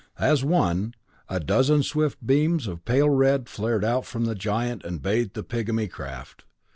As one, a dozen swift beams of pale red flared out from the giant and bathed the pigmy craft.